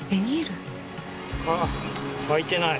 ああ開いてない。